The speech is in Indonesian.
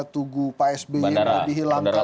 tugu pak s b yang tadi hilangkan di